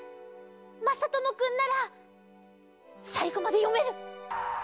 まさともくんならさいごまでよめる！